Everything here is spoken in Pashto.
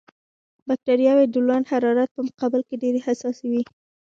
بکټریاوې د لوند حرارت په مقابل کې ډېرې حساسې وي.